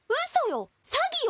詐欺よ！